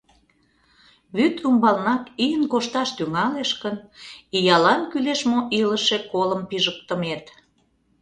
— Вӱд ӱмбалнак ийын кошташ тӱҥалеш гын, иялан кӱлеш мо илыше колым пижыктымет!